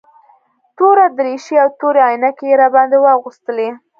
توره دريشي او تورې عينکې يې راباندې واغوستلې.